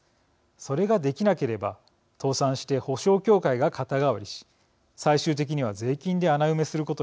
それができなければ倒産して保証協会が肩代わりし最終的には税金で穴埋めすることになります。